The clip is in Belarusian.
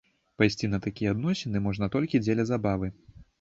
Пайсці на такія адносіны можна толькі дзеля забавы.